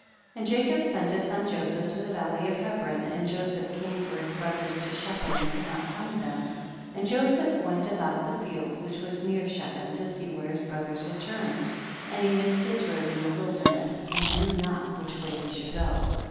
21 . And Jacob sent his son Joseph to the valley of Hebron, and Joseph came for his brothers to Shechem, and could not find them, and Joseph went about the field which was near Shechem, to see where his brothers had turned, and he missed his road in the wilderness, and knew not which way he should go.